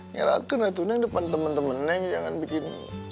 ngeraken neng depan temen temen neng jangan bikin